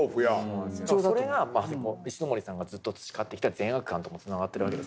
それが石森さんがずっと培ってきた善悪感ともつながってるわけですね。